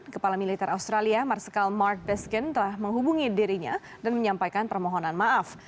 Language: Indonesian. kepala militer australia marsikal mark baskin telah menghubungi dirinya dan menyampaikan permohonan maaf